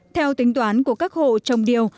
theo tính toán của các hộ trồng điều